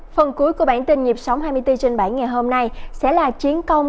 phần cuối của bản tin nhịp sóng hai mươi bốn trên bản ngày hôm nay sẽ là chiến công